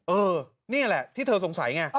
เออนี่แหละที่เธอสงสัยไง